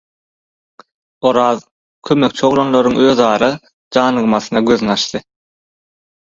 Oraz kömekçi oglanlaryň özara janygmasyna gözüni açdy.